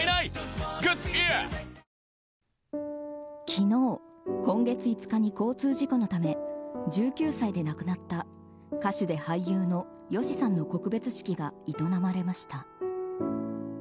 昨日、今月５日に交通事故のため１９歳で亡くなった歌手で俳優のＹＯＳＨＩさんの告別式が営まれました。